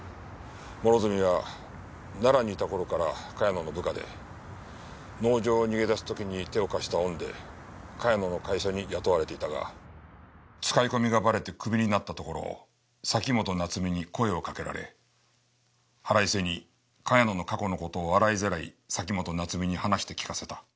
諸角は奈良にいた頃から茅野の部下で農場を逃げ出す時に手を貸した恩で茅野の会社に雇われていたが使い込みがバレてクビになったところを崎本菜津美に声を掛けられ腹いせに茅野の過去の事を洗いざらい崎本菜津美に話して聞かせた。